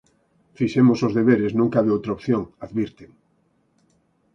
"Fixemos os deberes, non cabe outra opción", advirten.